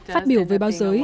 phát biểu về báo giới